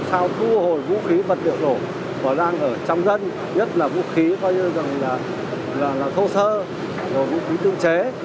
và đang ở trong dân nhất là vũ khí coi như là thô sơ vũ khí tương chế